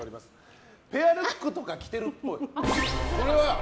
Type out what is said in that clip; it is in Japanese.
ペアルックとか着てるっぽい。